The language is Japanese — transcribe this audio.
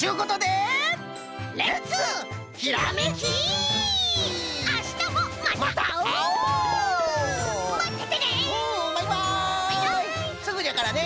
すぐじゃからね。